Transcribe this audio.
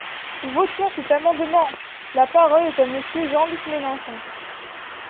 Votons cet amendement ! La parole est à Monsieur Jean-Luc Mélenchon.